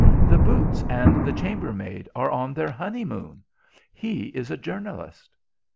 "The boots and the chambermaid are on their honeymoon. He is a journalist."